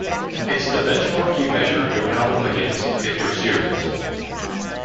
It's the benchmark you measure your album against if you're serious.